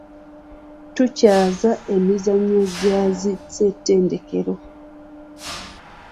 Tukyaza emizannyo gya zi Ssettendekero.